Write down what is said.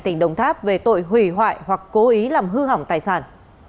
tỉnh đồng tháp về tội hủy hoại hoặc cố ý làm hư hỏng tài sản